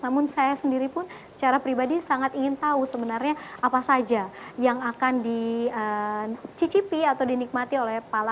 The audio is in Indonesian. namun saya sendiri pun secara pribadi sangat ingin tahu sebenarnya apa saja yang akan dicicipi atau dinikmati oleh kepala